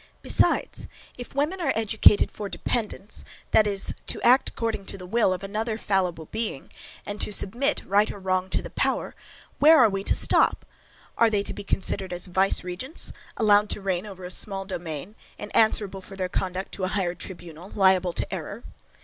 Besides, if women are educated for dependence, that is, to act according to the will of another fallible being, and submit, right or wrong, to power, where are we to stop? Are they to be considered as viceregents, allowed to reign over a small domain, and answerable for their conduct to a higher tribunal, liable to error?